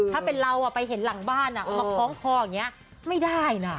ถ้าเป็นเราอ่ะไปเห็นหลังบ้านอ่ะมาคล้องอย่างเงี้ยไม่ได้น่ะ